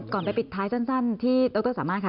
ไปปิดท้ายสั้นที่ดรสามารถค่ะ